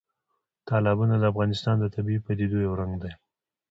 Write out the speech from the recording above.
تالابونه د افغانستان د طبیعي پدیدو یو رنګ دی.